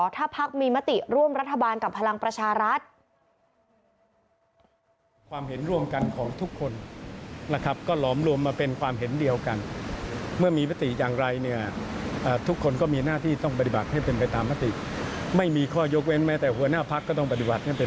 ถ้าพักมีมติร่วมรัฐบาลกับพลังประชารัฐ